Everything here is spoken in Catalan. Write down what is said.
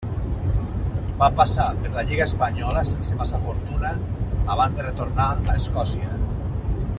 Va passar per la lliga espanyola sense massa fortuna abans de retornar a Escòcia.